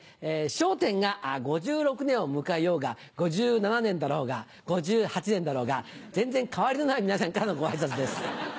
『笑点』が５６年を迎えようが５７年だろうが５８年だろうが全然変わりのない皆さんからのご挨拶です。